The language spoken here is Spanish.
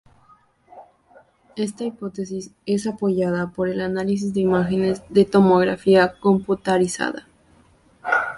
Esta hipótesis es apoyada por el análisis de imágenes de tomografía computarizada.